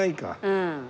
うん。